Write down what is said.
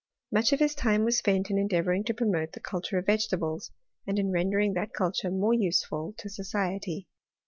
Much of his time was sfient in endeavouring to promote the culture of vegetables, and in rendering that culture more useful to society.